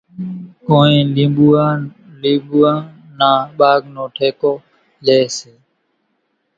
ڪونئين لينٻوُئان نا ٻاگھ نو ٺيڪو ليئيَ سي۔